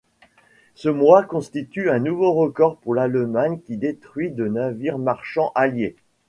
Ce mois constitue un nouveau record pour l'Allemagne qui détruit de navires marchands alliés.